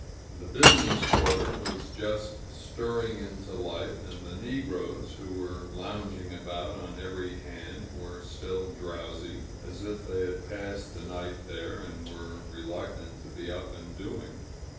The business quarter was just stirring into life; and the negroes who were lounging about on every hand were still drowsy, as if they had passed the night there, and were reluctant to be up and doing.